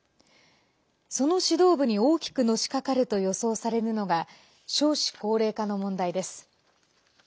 その指導部に大きくのしかかると予想されるのが少子高齢化の問題です。